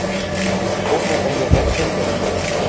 Эче коклы тӓнгӓжӓт шергӹ...